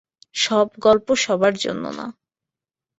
সব গল্প সবার জন্যে না।